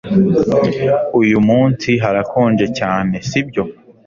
Uyu munsi harakonje cyane sibyo